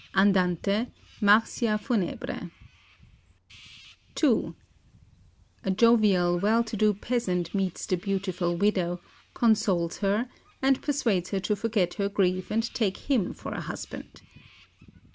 "(Andante, marcia funèbre) II "A jovial, well to do peasant meets the beautiful widow, consoles her, and persuades her to forget her grief and take him for a husband.